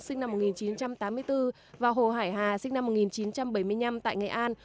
sinh năm một nghìn chín trăm tám mươi bốn và hồ hải hà sinh năm một nghìn chín trăm bảy mươi năm tại nghệ an